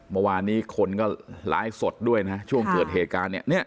เมื่อวานนี้คนก็ไลฟ์สดด้วยนะช่วงเกิดเหตุการณ์เนี่ย